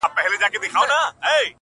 د سر په سترگو چي هغه وينمه”